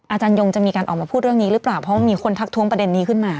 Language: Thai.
อาจารยงจะมีการออกมาพูดเรื่องนี้หรือเปล่าเพราะว่ามีคนทักท้วงประเด็นนี้ขึ้นมา